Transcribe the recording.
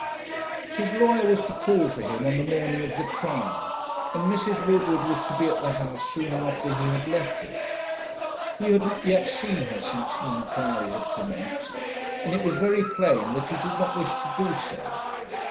His lawyer was to call for him on the morning of the trial, and Mrs. Woodward was to be at the house soon after he had left it. He had not yet seen her since the inquiry had commenced, and it was very plain that he did not wish to do so.